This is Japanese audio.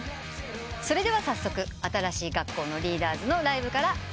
それでは早速新しい学校のリーダーズのライブからスタートです。